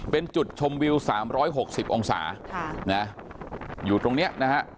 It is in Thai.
เป็นจุดชมวิวสามร้อยหกสิบองศานะฮะอยู่ตรงเนี้ยนะฮะ